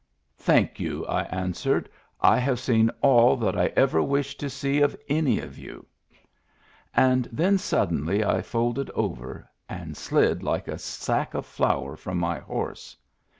Thank you," I answered. " I have seen all that I ever wish to see of any of you." And then suddenly I folded over and slid like a sack of flour from my horse.